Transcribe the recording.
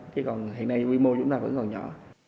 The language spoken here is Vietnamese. chứ còn hiện nay quy mô chúng ta vẫn còn nhỏ